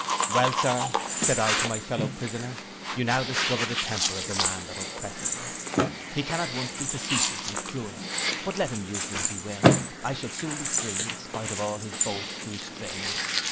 'Well, sir,' said I to my fellow prisoner, 'you now discover the temper of the man that oppresses me. He can at once be facetious and cruel; but let him use me as he will, I shall soon be free, in spite of all his bolts to restrain me.